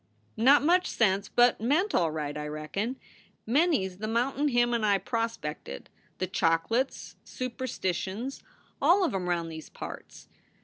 Not much sense, but meant all right, I reckon. Many s the mountain him and I prospected, the Choc luts, Sooper stitions, all of em round these parts.